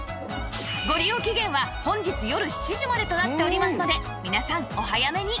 ご利用期限は本日よる７時までとなっておりますので皆さんお早めに